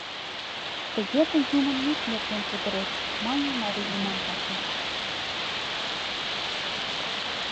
Тыге тый юмын мут нерген кутырет! — мане Мари лӱман вате.